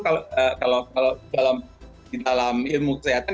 kalau dalam ilmu kesehatan